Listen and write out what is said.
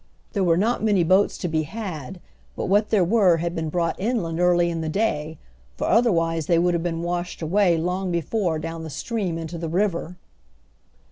There were not many boats to be had, but what there were had been brought inland early in the day, for otherwise they would have been washed away long before down the stream into the river.